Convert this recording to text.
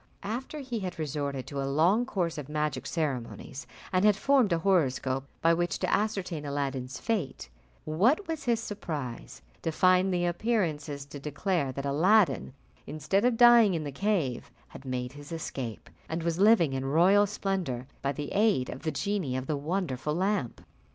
After he had resorted to a long course of magic ceremonies, and had formed a horoscope by which to ascertain Aladdin's fate, what was his surprise to find the appearances to declare that Aladdin, instead of dying in the cave, had made his escape, and was living in royal splendour, by the aid of the genie of the wonderful lamp!